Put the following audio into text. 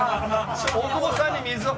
大久保さんに水を。